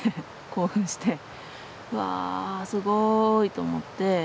興奮して。わすごいと思って。